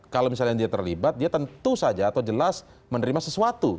kalau misalnya dia terlibat dia tentu saja atau jelas menerima sesuatu